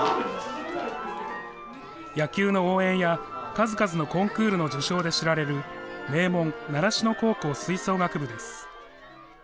野球の応援や数々のコンクールの受賞で知られる、名門、習志野高校吹奏楽部です。